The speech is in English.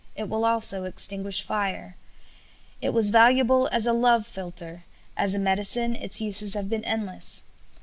It will also extinguish fire. It was valuable as a love philter; as a medicine its uses have been endless.